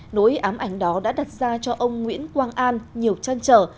nỗi ám ảnh đó đã đặt ra cho ông nguyễn quang an nhiều trăn trở